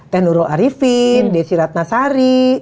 teh nurul arifin desi ratnasari